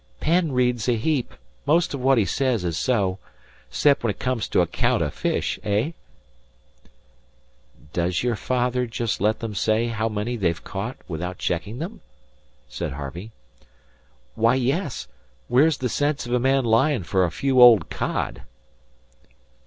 "Penn reads a heap. Most of what he says is so 'cep' when it comes to a caount o' fish eh?" "Does your father just let them say how many they've caught without checking them?" said Harvey. "Why, yes. Where's the sense of a man lyin' fer a few old cod?"